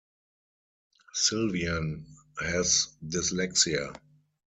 Sylvain has dyslexia.